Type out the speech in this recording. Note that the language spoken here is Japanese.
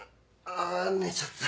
ああ寝ちゃった。